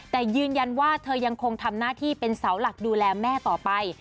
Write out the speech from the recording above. แต่ยืนยันว่าเธอยังคงทำหน้าที่เป็นเสาหลักดูแลแม่ต่อไป